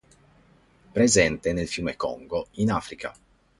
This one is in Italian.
Presente nel fiume Congo, in Africa.